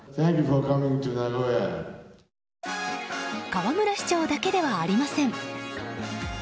河村市長だけではありません。